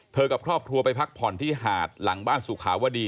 กับครอบครัวไปพักผ่อนที่หาดหลังบ้านสุขาวดี